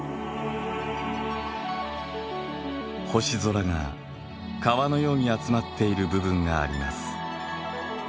星空が川のように集まっている部分があります。